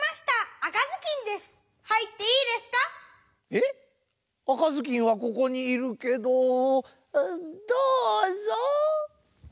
赤ずきんはここにいるけどどうぞ。